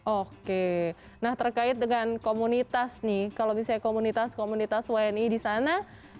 oke nah terkait dengan komunitas nih kalau misalnya komunitas komunitas wni di sana